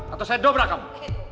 atau saya dobra kamu